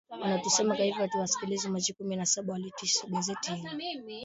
Wanasdema kwa nini hatuwasikilizi kwa hivyo basi Machi kumi na saba walisitisha gazeti hilo